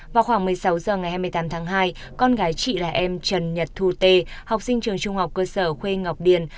vào khoảng một mươi sáu h ngày hai mươi tám tháng hai con gái chị là em trần nhật thu tê học sinh trường trung học cơ sở khuê ngọc điền